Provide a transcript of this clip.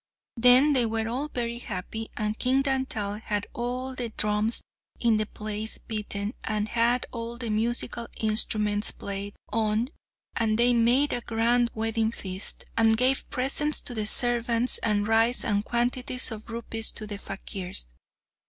Then they were all very happy, and King Dantal had all the drums in the place beaten, and had all the musical instruments played on, and they made a grand wedding feast, and gave presents to the servants, and rice and quantities of rupees to the fakirs.